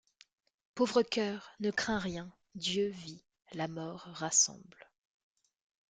Pauvre cœur, ne crains rien, Dieu vit! la mort rassemble.